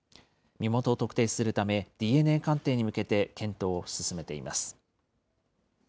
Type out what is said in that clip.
身元を特定するため、ＤＮＡ鑑定に向けて検討を進めています。